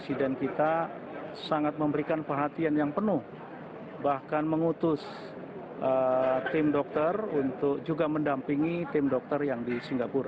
sebulan tadi penelitian orang lain seperti bapak peneliti dan bapak pak adhok tlaipai mengutus tim dokter untuk juga mendampingi tim dokter yang di singapura